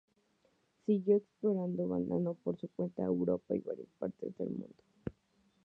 Siguió exportando banano por su cuenta a Europa y varias partes del mundo.